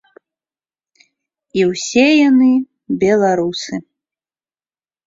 І ўсе яны беларусы.